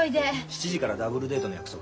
７時からダブルデートの約束。